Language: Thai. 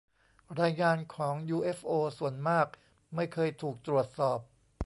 รายงานของ ยูเอฟโอส่วนมากไม่เคยถูกตรวจสอบ